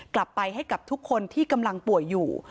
กลับไปให้กับทุกคนที่กำลังป่วยอยู่